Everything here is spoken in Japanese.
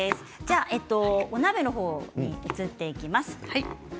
お鍋の方に移っていきます。